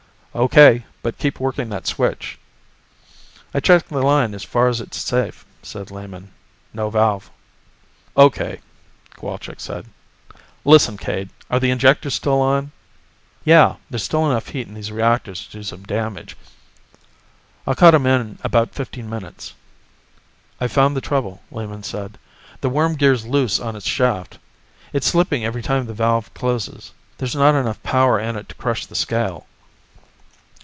"O.K., but keep working that switch." "I checked the line as far as it's safe," said Lehman. "No valve." "O.K.," Cowalczk said. "Listen, Cade, are the injectors still on?" "Yeah. There's still enough heat in these reactors to do some damage. I'll cut 'em in about fifteen minutes." "I've found the trouble," Lehman said. "The worm gear's loose on its shaft. It's slipping every time the valve closes. There's not enough power in it to crush the scale."